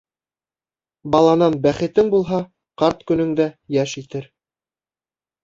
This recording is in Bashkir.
Баланан бәхетең булһа, ҡарт көнөңдә йәш итер.